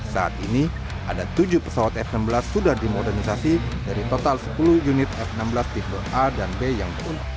saat ini ada tujuh pesawat f enam belas sudah dimodernisasi dari total sepuluh unit f enam belas tipe a dan b yang turun